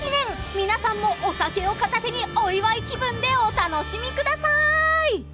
［皆さんもお酒を片手にお祝い気分でお楽しみください］